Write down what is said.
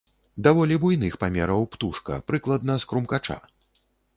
Даволі буйных памераў птушка, прыкладна з крумкача.